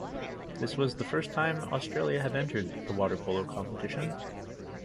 This was the first time Australia had entered the water polo competition.